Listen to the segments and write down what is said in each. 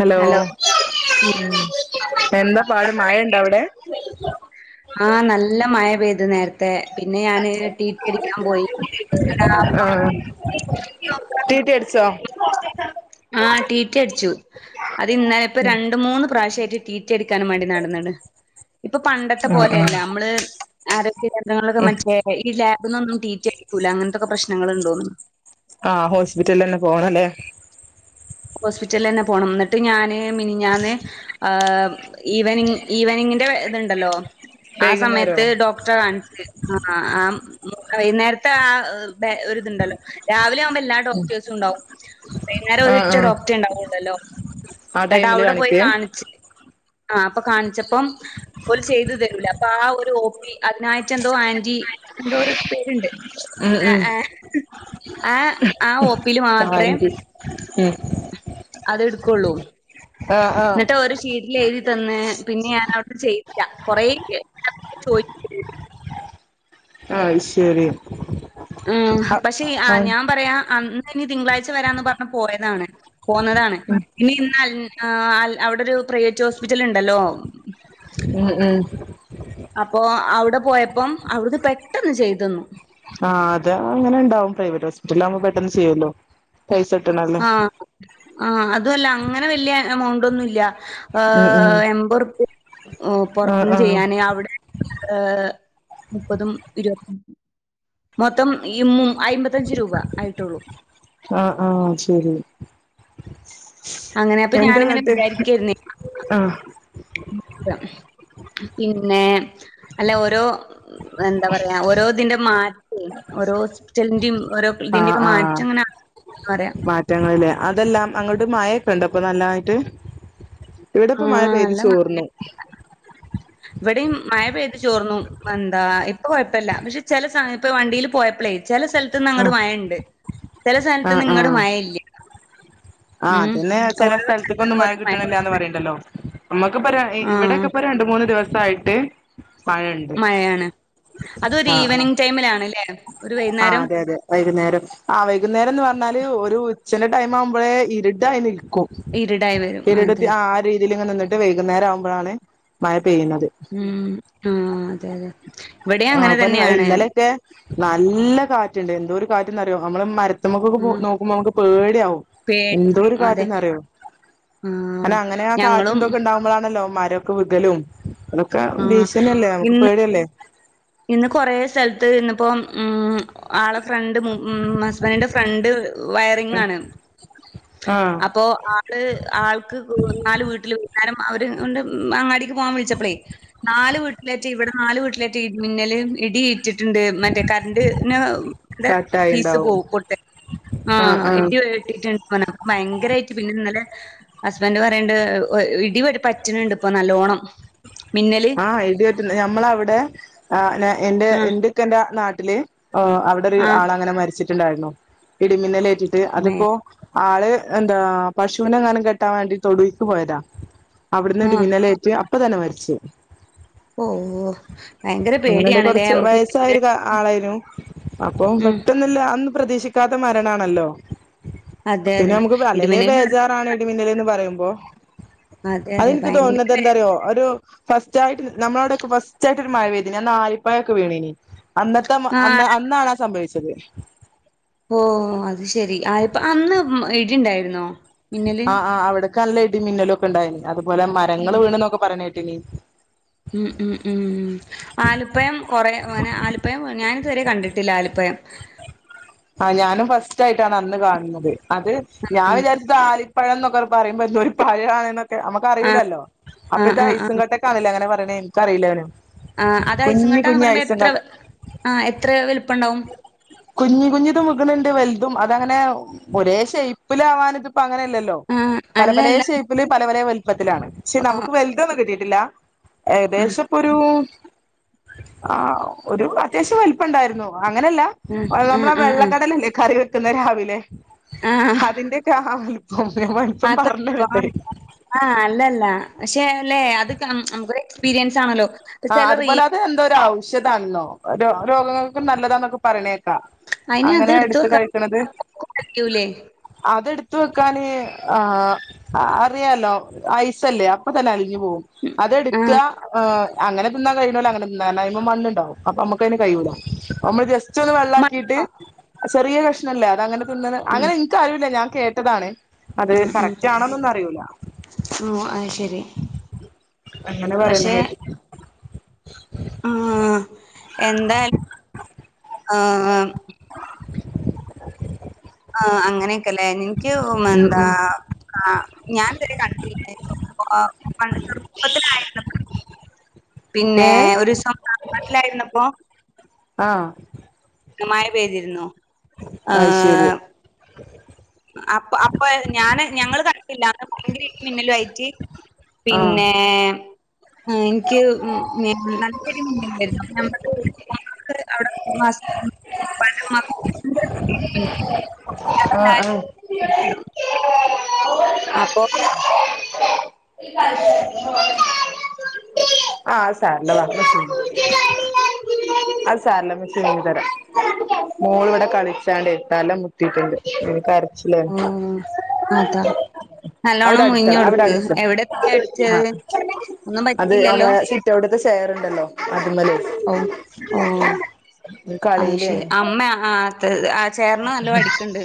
Hello ഉം എന്താ പാട് മഴയുണ്ടോ അവിടെ ഇത് നേരത്തെ പിന്നെ ഞാന് ടി ടി അടിക്കാൻ പോയി എടാ, ആ അപ്പം ടി ടി അടിച്ചോ [unintelligible] ആഹ ടി ടി അടിച്ചു അത് ഇന്നലെ ഇപ്പോ രണ്ട് മൂന്ന് പ്രാവശ്യ തീ ടി ടി ക്കാനും മാണ്ടി നടന്ന്ണ് ഇപ്പൊ പണ്ടത്തെ ആഹ് പോലെയല്ല ആഹ് നമ്മള് [unintelligible] കേന്ദ്രങ്ങളൊക്കെ ഉം മനസ്സിലായിലെ ഇല്ല അവിട്ന്നൊന്നും ടി ടി അടിക്കൂല്ല അങ്ങനത്തെക്കെ പ്രശ്നങ്ങൾണ്ടോന്ന്ണ് ആഹ ഹോസ്പിറ്റലന്നെ പോണല്ലേ ഹോസ്പിറ്റലന്നെ പോണം ന്നട്ട് ഞാന് മിനിഞ്ഞാന്ന് ആ ഈവനിങ് ഈവനിങ്ങിന്റെ ഇത്ണ്ടല്ലോ ആ വൈകുന്നേരോ സമയത്ത് ഡോക്ടറെ കാണിച്ച് ആ ആ വൈന്നേരത്തെ ആ ഒര്തുണ്ടല്ലോ രാവിലെ ആവുമ്പേ എല്ലാ ഡോക്ടേഴസും ഉണ്ടാവും വൈന്നാരം ഒര് ആഹ് ഒറ്റ ആഹ് ഡോക്റ്റെ ണ്ടാവെള്ളേലെ ആ ന്ന്ട്ട് ടൈമില് അവിടെ പോയി കാണിക്കേ കാണിച് ആ അപ്പം കാണിച്ചപ്പം ഓല് ചെയ്ത് തരൂല അപ്പൊ ആ ഒരു ഓ പി അതിനായിട്ട് എന്തോ ആന്റി എന്തോ ഒരു പേരുണ്ട് ഉം ഏ ഉം ഏ ഏ ആ ഓ [inaudible] ഉം അതെ എടുക്കുള്ളൂ ആഹ് ആഹ് എന്നിട്ട് ഓര് ശീട്ടിൽ എഴുതി തന്ന് പിന്നെ ഞനവിടെ ചെയ്തില കൊറേ ചോദി ആഹ് ശരി ഉം പശെ ആഹ് ഞാൻപറയാ അം മ് ഇനി തിങ്കളാഴ്ച വരാന്ന് പറഞ്ഞ പോയതാണ് പോന്നതാണ് ഇനി ഇന്ന് അവിടെ ഒരു പ്രൈവറ്റ് ഹോസ്പിറ്റൽ ഉണ്ടല്ലോ ഉം ഉം അവിടെ പോയപ്പം അവിടുക്ക് പെട്ടെന്ന് ചെയ്തന്നു ആഹ് അതെ അങ്ങനെണ്ടാവും പ്രൈവറ്റ് ഹോസ്പിറ്റലിൽ ആവുമ്പോ പെട്ടെന്ന് ചെയ്യല്ലോ ആഹ ആഹ അ അതല്ല അങ്ങനെ വലിയ എമൗണ്ട് ഒന്നുല്ല ഉം ഉം എൺമ്പോർപ്പിയ ആഹ് പൊറത്ത്ന്ന് ആഹ് ചെയ്യാൻ അവിടെ ഏ മുപ്പതും ഇരുപത്തി മൊത്തം ഈ മ അയിമ്പത്തഞ്ച് രൂപ ആയിട്ടൊള്ളു ആഹ ആഹ ശരി അങ്ങനെ അപ്പൊ എന്റെ ഞാനങ്ങനെ നാട്ട് വിചാരിക്കായിരുന്നേ ആഹ് പിന്നെ അല്ല ഓരോ എന്താ പറയാ ഓരോ ഇതിന്റെ മാറ്റം ഓരോ ഹോസ്പിറ്റലിന്റെയും ഓരോ ആ ഇതിന്റെയൊക്കെ ആഹ മാറ്റം ഇങ്ങനെ പറയാ. മാറ്റങ്ങൾ ലെ അതെല്ലാം അങ്ങോട്ട് മഴ ഇ ഇണ്ടപ്പ നല്ലായിട്ട് ഇവിടെപ്പ മഴ ആഹ് പെയ്തി നല്ല മഴ ചോർന്നു ഇവിടെയും മഴ പെയ്തി ചോർന്നു എന്താ ഇപ്പ കോയപ്പല്ല പക്ഷെ ചില സം ഇപ്പ വണ്ടിൽ പോയപ്പൊ ളേ.. ചില സ്ഥലത്ത ഞങ്ങുടെ ആഹ് മഴുണ്ട് ചില സഥാനത്ത് ആഹ് നിങ്ങളുടെ ആഹ് മഴ ഇല്ല ആഹ് അതന്നെ ചില സ്ഥലത്തേക്ക ഒന്നും മഴ കിട്ടണില്ലന്ന് പറയണ്ടല്ലോ നമ്മുക്കിപ്പോ ആഹ് ഇവിടെക്കെ ഇപ്പോ രണ്ട് മൂന്ന് ദിവസം ആയിട്ട് മഴുണ്ട് മഴയാണ്. അതൊരു ആ ആ ഈവനിങ് ടൈമിലാണ്ല്ലേ? ഒരു ആ വൈന്നേരം അതെ അതെ വൈകുന്നേരം ആ വൈകുന്നേരംന്ന് പറഞ്ഞാല് ഒരു ചെലാ ടൈമ് ആകുമ്പളേ- ഇരിട്ടായി ക്കും ഇരുടായി വരും. രിടത്ത് അതെ ആ രീതിയിൽ ഇങ്ങനെ നിന്നിട്ട് വൈകുന്നേരം ആകുമ്പ ളന്നെ മഴ പെയ്യുന്നത് ഉം ആ അതെ അതെ ഇവിടെ ആ അങ്ങനെ അപ്പന്നെ തന്നെയാണ് ഇന്നലെയൊക്കെ നല്ല കാറ്റുണ്ട് എന്തോ ഒരു കാറ്റന്ന്റിയോ നമ്മള് മര നമുക്കൊക്ക ഉം നോക്കുമ്പോ നമുക്ക് പേടിയാവും പേടി എന്തോ ഒരു അതെ കാറ്റന്ന് അറിയോ ആഹ് അനെ അങ്ങനെ ആ കാറ്റ ഞങ്ങളും എന്തൊക്കെ ഉണ്ടാകുമ്പോഴാണല്ലോ അക്കെ ബതലും അതൊക്കെ ആഹ് ഭീഷന അല്ലേ നമുക്ക് ഇന്ന് പേടിയല്ലേ ഇന്ന് കൊറെ സ്ഥലത്ത് ഇന്നിപ്പോ ഉ ആള ഫ്രണ്ട് ഹസ്ബൻഡിന്റെ ഫ്രണ്ട് വയറിംഗ് ആണ് ആ അപ്പോ ആള് ആൾക്ക് എന്നാല് വീട്ടിൽ വുന്നം അവര് കൊണ്ട് അങ്ങാടി പോവാൻ വിളിച്ചപ്പളേ നാല് വീട്ടിലേ ച്ച് വിടെ നാല് വീട്ട്‌ലെ ടി മിന്നലും ഇടി ഏറ്റ് റ്റ്ണ്ട് മറ്റേ കറൻ്റ് ന് ൻ്റെ ഫീസ് കാറ്റായിണ്ടാവും പോം പൊട്ട ആ ഇടി ഏറ്റ് ട്ട്ണ്ട് റ്ഞ്ഞ് ഭയങ്കരേയിട്ട് പിന്നെ ഇന്നലെ ഹസ്ബൻ്റ് പറയണ്ട് ഹ് ഹ് ഇടിപറ്റ്ണണ്ട് ഇപ്പോൊ നല്ലോണം മിന്നല് ആഹ ഇടി പറ്റ്ന്ന് ഹാ ഞമ്മളവിടെ ആ എന്റെ ആഹ് എൻ്റ് ക്കാൻ്റെ നാട്ടില് ആ അവിടെ ഒരു ആഹ് ആൾ അങ്ങനെ മരിച്ച് ട്ടിലായിരുന്നു ഇടിമിന്നലേറ്റിട്ട് മേ അതിപ്പോ ആള് എന്താ പശുവിനെങ്ങാനും കെട്ടാൻ വേണ്ടിട്ട് തൊടീൽക്ക് പോയതാ അവിടുന്ന് ഇടി ആഹ് മിന്നലേറ്റ് അപ് പ്പൊ തന്നെ മരിച്ച് ഓ ഓ ഭയങ്കര അങ്ങനെണ്ട് പേടിയാണ്ല്ലേ കൊറച്ച് മ്മക്ക് മി വയസ്സായൊരു [unintelligible] ആളായിരുന്നു അപ്പം പെട്ടെന്നില്ല അന്ന് പ്രതീക്ഷിക്ക ക്കാത മരണാണല്ലോ? അതെ പിന്നെ അതെ നമുക്ക് ബലലെ ഇടിമിന്നൽ ബേജാറാണ് ഇടിമിന്നല് എന്ന് പറയുമ്പോ, അതെ അതെ അതെന്ക്ക് തോന്നുന്നത് ഭയങ്കര എന്താറിയോ ഒരു ഫസ്റ്റായിട്ട് നമ്മളോടൊക്കെ ഫസ്റ്റായി ട്ടൊരു മഴ പെയ്തിനി അന്നാലിപ്പായൊക്കെ വീണീനി. അന്നത്തെ അന്ന് ആഹ് അന്നാണ് അ സംഭവിച്ചത്. അതെ ഓ അത് ശെരി. ആ ഇപ്പ അന്ന് ഇടിണ്ടായ്രുന്നോ? ആഹ ആ അവിടെക്കല്ല ടിമിന്നലൊക്കെണ്ടായിരുന്നു. അതുപോലെ മരങ്ങള് ഉം വീണ്ന്നൊക്കൊ പറീണേട്ട്നി ഉം ഉം ഉം. ആലിപ്പയം കുറേ അങ്ങനെ ആലിപ്പയം ഞാനിതുവരെ കണ്ടിട്ടില്ല ആലിപ്പയം. ആ ഞാനും ഫസ്റ്റ് ആയിട്ടാണ് അന്ന് കാണുന്നത്. അത് ആഹ് ഞാവിചരിച്ചത് ആലി- പഴംന്നൊക്കെ പറയുമ്പോ ഇതൊരു പഴാണ് നമുക്ക അറില്ലോലോ അപ്പൊ ആഹ് ആഹ് ആഹ് ഹൈസിംകട്ടേക്കാണല്ലേ അങ്ങനെ [unintelligible] എനിക്ക അറിയില്ലനോ ആ അത് ഐസംങ്കട്ടന്ന് പറയുമ്പോ എത്ര ആ എത്ര വലുപ്പം ഉണ്ടാവും? [unintelligible] വലുതും അതങ്ങനെ ഒരേ ഷേപ്പിലാവാൻത് അങ്ങനെയല്ലല്ലോ ആഹ് പല അല്ല പല അല്ല ഷേപ്പിൽ പല പല വലു പത്തിലാണ് ചെ നമുക്ക് വലുതൊന്നും കിട്ടി ഇല്ല ഉം ഏകദേശം ഇപ്പൊ ഒരു ആ, ഒരു അത്യാവശ്യം വലിപ്പം ഉണ്ടായിരുന്നു. അങ്ങനെയല്ല ഉം നമ്മള ആഹ് ആഹ് വെള്ളക്കടലല്ലേ കറി ക്കുന്നു രാവില്ലേ. അതിന്റൊക്കെ [unintelligible] ആത് ആ അല്ലല്ല പക്ഷെ അല്ലേ അത്ക്ക എക്സ്പീരിയൻസ് ആണല്ലോ ചില റീ ധാണെന്നോ രോ രോഗങ്ങൾക്കും നല്ലതാന്നൊക്കെ പറയ്ണ അയിന് അത് അങ്ങനെയ എടുത്ത് വെക്കാ കഴിക്കണത് കഴിയൂലേ അതടു ത്ത വെക്കാന് ആ അറിയാല്ലോ ആ ഐസല്ലേ അപ്പ തന്നെ അലി ഞ്ഞ് പോവും അതെടു ആഹ് ആ അങ്ങനെ തിന്നാൻ കഴിയുണോല് അങ്ങനെ തിന്നാ അതിമ്മേ മണ്ണ് ഉണ്ടാവും അപ്പൊ നമ്മക്ക് അയ്‌ന് കഴിയൂല അപ്പൊ നമ്മള് ജസ് സ്റ്റ് ഒന്ന് വെള്ളാക്കിയിട്ട് മടുത്തോ ചെറിയ ക പ്രശ്നല്ല അതങ്ങനെ ഉം അങ്ങനെൻക്ക് അറിയൂല്ല ഞാൻ കേ ട്ടതാണ് അത് ഉം ഉം കറക്റ്റ് ആണെന്നൊന്നും അറിയൂല്ല. ഓഹ് അത് ശരി അങ്ങനെ പറയണ കേട്ടി ആ എന്തായാലും ആ ആ അങ്ങനെയൊക്കല്ലേ നിന്ക്കു ഉം എന്താ ഉം ഞാന് ഇതരെ കണ്ടില്ല [unintelligible] പണ്ട് ചെറുപ്പത്തിലായന്ന് പിന്നെ ഏ ഒരൂസം നാ നാട്ടിലായിരുന്നപ്പോ ആഹ് മഴ പെയ്തിരുന്നു അയ്ശരി ഏഹ് അപ്പ അപ്പ ഞാന് ഞങ്ങള് കണ്ടില്ലാ [unintelligible] ഭയങ്കര ഇടി മിന്നലായിറ്റ് ആഹ് പിന്നെ ആ ഇനിയ്ക്ക് നല്ലൊരു [unintelligible] ആഹ് ആഹ് അപ്പൊ മോള് ഇവടെ കളിച്ചാണ്ടെ തലമുട്ടീട്ട്ണ്ട് ഉം കര ആ അതാ അവിടെ നല്ലോണം അടിച്ചോളാം അവിടെ മുയിഞ്ഞൊട്ക്ക് അടിച്ചോ എവിടെ തല അടിച്ചെ ഒന്നും പ ഇത് അതെ സിറ്റൗട്ട്ത്തെ ചെയറ്ണ്ടല്ലോ അതിമെല് ആഹ് ശെരി അമ്മ ആത്തെ ആത് ചേരണം നല്ല പടിക്ക്ണ്ട്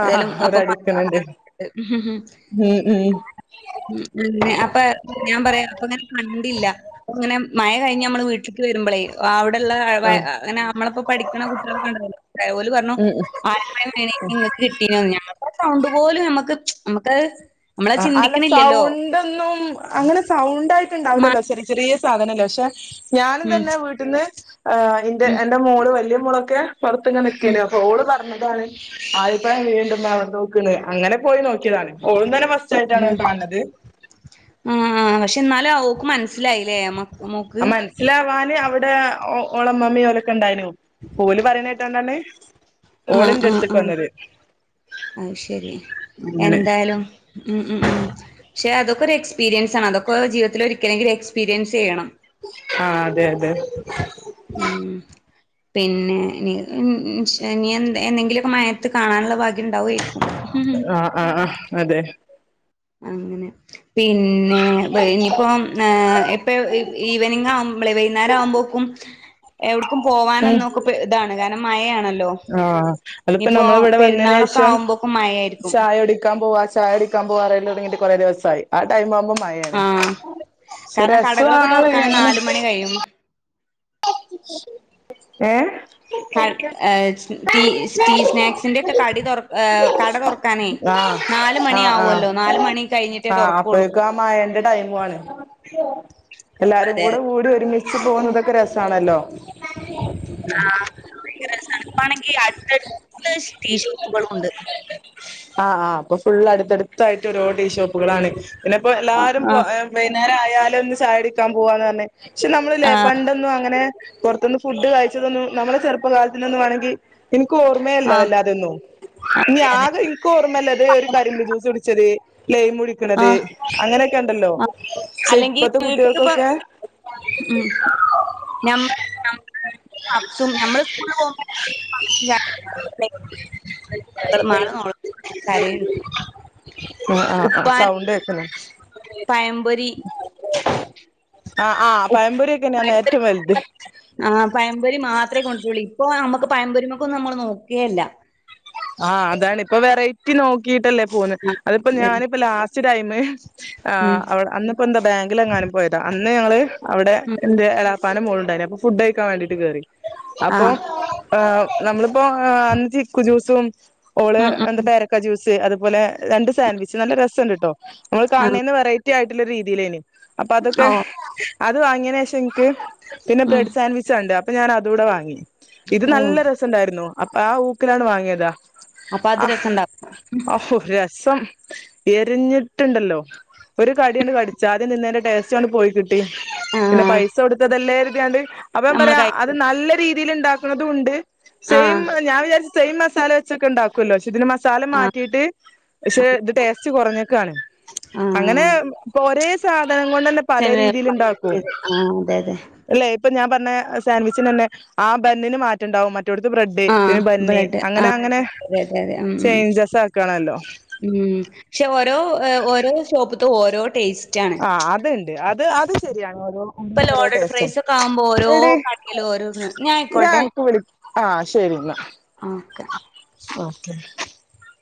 ആ ഏതാലും അവിടെ അപ്പം അടിക്കണണ്ട് [unintelligible] ഉം ഉം അപ്പ ഞാ പറയാം അപ്പ ഇങ്ങനെ കണ്ടില്ല അങ്ങനെ മയ കഴിഞ്ഞ് അമ്മള് വീട്ടിക്ക് വരുമ്പളേ ആഹ്- ആ [unintelligible] ഇപ്പ പഠിക്കണ കുട്ടികളെ കണ്ടഞ്ഞ ഓല് പറഞ്ഞു ഉം ഉം [unintelligible] [unintelligible] നമ്മക് അഹ് ആഹ് അല്ല സൗണ്ടൊന്നും അങ്ങനെ മ സൗണ്ടായിട്ടുണ്ടാവിലല്ലോ ചെറ്യ ചെറ്യ സാധനല്ലേ ക്ഷെ ഞാനും ഉം തന്നെ വീട്ടിന്ന് ആഹ് ഇന്റെ ഉം എന്റെ മോള് വല്യ- പൊളൊക്കെ പൊറത്ത്ങ്ങനെ ഉം നിക്കേനു അപ്പൊ ഓള് പറഞ്ഞ്- ന്താണ് ആലിപ്പഴം വീണ്ടുന്ന വന്നോക്ക്ണ് അങ്ങനെ പോയി നോക്കിയതാണ് ഓളും തന്നെ ഫസ്- ച്ചായിട്ടാണ് ഹ് കാണ് ണത് ആഹ് ആഹ് ആഹ് പക്ഷെ എന്നാലും അവ ഓക്ക് മനസ്സിലായില്ലേ മക്ക് മോക്ക് മനസ്സിലാവാന് അവിടെ ഓളമ്മമിം ഓലൊക്കെ ഇണ്ടായിനു അഹ് ആഹ് ആഹ് അഹ് ശെരി അങ്ങനെ എന്തായാലും ഉം ഉം ഉം ക്ഷെ അതൊക്കെ ഒരെക്സ്പീരിയൻസണ് അതൊക്കൊ ജീവിതത്തിലൊരിക്കലെങ്കിലും എക്സീരിയൻസ് ചെയ്യണം. ആഹ് അതെ അതെ ഉം പിന്നെ നി എ എന്തെ എന്നെങ്കിലുമൊക്കെ മയത്ത് കാണാനുള്ള ഭാഗ്യം ണ്ടാവെയിരിക്കും ആഹ് ആഹ് ആഹ് അതെ അങ്ങനെ പിന്നെ വെ ഇനിയിപ്പം ഇപ്പൊ ഈവനിങ് ആവുമ്പോളെ വൈകുന്നേരം ആവുമ്പോക്കും എവിടക്കും ഉം പോവാനന്നുംക്കെ ഇതാണ് മഴയാണ ആഹ് അതിപ്പോ നമ്മൾ ഇവിടെ വന്നതിന് പെരുന്നാളൊക്കെ ശേഷം ആവുമ്പോക്കും മഴയായിരിക്കും ചായ കുടിക്കാൻ പോവാ ചായ കുടിക്കാൻ പോവാ പറയൽ തുടങ്ങിട്ട് കുറെ ദിവസയി ആടൈം ആവുമ്പോ മഴയാണ് ആഹ് പക്ഷെ കാരണം കടകളൊക്കെ രസമാണ് തുറക്കൻ അങ്ങനെ നാല് മണി കഴിയും ഏ ക ടീ ടി സ്നാക്സിന്റെൊക്കെ കടി കട തൊറക്കാനെ ആഹ് നാല് മണി ആഹ് ആഹ് ആവുമല്ലോ നാല് മണി കഴിഞ്ഞിട്ടേ തൊറക്കുള്ളു ല്ല ടൈമു ആണ് എല്ലാരും അതെ കൂടെ അതെ കൂടി ഒരുമി ച്ച് പോണതൊക്കെ രസാ ആണല്ലോ ആഹ ഭയങ്കര രസാണ് ഇപ്പാആണങ്കി അടുത്തടുത്തു ടീഷോപ്പുകളും ഉണ്ട് ആഹ് ആ് ഇപ്പൊ ഫുള്ള് അടുത്തടുത്തായിട്ട് ഓരോ ടീ ഷോപ്പുകളാണ് പിന്നെ ഇപ്പൊ എല്ലാരും ആഹ് വൈന്നേരം ആയാൽ ഒന്ന് ചായ കുടിക്കാൻ പോവാന്ന് പറഞ്ഞ് പക്ഷെ നമ്മളല്ലേ ആഹ് പണ്ടൊന്നും അങ്ങന പിന്ന പുറത്തുന്ന് ഫുഡ് കഴിച്ചതൊന്നും നമ്മുടെ ചെറുപ്പകാലത്തിലോന്നും വേണെങ്കിൽ ഇൻക്ക് ഓർമ്മയയില്ല ആഹ് വല്ലാതെൊന്നും ആഹ് ഇനി അതെ അതെ ആകെ ഇൻക് ഓർമ്മയില്ലത് ഒരു കരിമ്പിൻ ജ്യൂസ് കുടിച്ചത് ലൈം കുടിക്കണത് ആഹ് അങ്ങനെയൊക്കെ ഉണ്ടല്ലോ ആഹ് പക്ഷെ അല്ലെങ്കി ഇപ്പത്തെ വീട്ട്ക്ക്പ്പോ കുട്ടികൾക്കൊക്കെ നമ്മള് നമ്മൾ പപ്സും നമ്മള് സ്കൂള മക്കള് കരയുണ്ട് ആ ആ് ആ സൗണ്ട് പഴംപൊരി ആ ആ ഉ പഴംപൊരി ഒക്കെ ഞാ നേരത്തെ ആ പഴംപൊരി മാത്രമേ കൊണ്ടൊരുള്ളേനി ഇപ്പൊ നമ്മുക്ക് പഴംപൊരിമ്മക്ക് ഒന്നും നമ്മള് നോക്കെയില്ല ആഹ് അതാണ് ഇപ്പൊ വെറൈറ്റി നോക്കിയിട്ടല്ലേ പോവുന്നത് അതിപ്പോ ഞാനിപ്പ ലാസ്റ്റ് ടൈംമ് ഉം ആ--അവൾ അന്നിപ്പോ എന്താ ബാങ്കിൽ എങ്ങാനും പോയതാ- ളെ ആള് അവിടെ ഉം എന്റെ എളേപ്പാൻ്റെ മോളുണ്ടായിന ഫുഡ്കഴ്ക്കാൻ വേണ്ടിട്ട് കേറി അപ്പോ ആഹ് ആ നമ്മള് ഓ--ആആ--അന്തിക്കുജൂസ് തുംസ് ഓള് ഉം ഉം അന്ത് പേരക്ക ജ്യൂസ് ത് അതുപോലെ രണ്ട് സാൻവിച്ച് നല്ല രസംണ്ട് ട്ടോ നമ്മൾ ആഹ് കാണുന്നേന് വെറൈറ്റി ആയി രീതിയിലേണ് അപ്പ അതൊക്കെ ഓഹ് അതുവാങ്ങിയേനെ ശേഷം എങ്ങനെങ്ങൾക്ക് പിന്നെ ഉം ബ്രെഡ് സാൻവിച്ച് ഒണ്ട്- ന്നെ ഞാനതൂടെ വാങ്ങി ഇത് നല്ല ഓഹ് രസം ണ്ടായിരുന്നു അപ്പആ ഊക്കിലാണ് വാങ്ങിയത് [unintelligible] അപ്പൊ അത് രസംണ്ടാക് സ്സംഎരിഞ്ഞിട്ടുണ്ടല്ലോ ഒരു കടിയങ്ങ്ട്കടിച്ചാ അദ്യ നിന്നേന്റെ ടേസ്റ്റ്ങ്ങ്ട്പോയി കിട്ട് പിന്നെ ആഹ് പൈസ കൊടുത്തതെലെ കരുതിയാണ്ട് അപ്പം നമ്മള് പറയാ അത് കഴിക്കും. നല്ല രീതി തില് ഇണ്ടാക്കുണതും ഉണ്ട് സെയിം ആഹ് ഞാൻ വിചാരിച്ച് തൈമസ് തലവെച്ച് ഒക്കെ ഉണ്ടാകുമല്ലോ ഷിബിനമാ സ് തല ആഹ് മാറ്റിയിട്ട് പക്ഷെ ഇത് ടേസ്റ്റ് കൊറേഞ്ഞക്കാണ് അങ്ങനെ ആഹ് പോരെ അതുകൊണ്ടുതന്നെ പല ചെല രീതില് ഇണ്ടാക്കും ആഹ് അതെ അതെ അല്ലെ ഇപ്പം ഞാൻ പറഞ്ഞ ന്നെ സൻവിച്ച്തന്നെ ആ ബണ്ണിന് മാറ്റുണ്ടാവും മറ്റ് മറ്റൊടത്ത് ബ്രെഡ് [unintelligible] ബന് ആ--അതെ അതെ മ് ആക്കാണല്ലോ മ് മ് ക്ഷേ ഓരോ ഓരോ ഷോപ് ത് ഓരോ ടേസ്റ്റ് ആഹ അത്ണ്ട് അത് അത് ശരിയാണ് ഓരോ ഇപ്പൊ ഓരോ ലോഡഡ് ഫ്രൈസൊക്കെ ആവുമ്പോ ഓരോ ടേസ്റ്റുണ്ട്എടി കടയിലും ഓരോ ന്നാ ഞനക്ക് വിളി ആ ശരി എന്നാ- ആ ക്കെ- ഓക്കെ